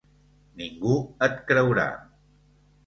Ningú et creurà.